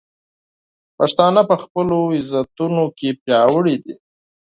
پښتانه په خپلو عزتونو کې پیاوړي دي.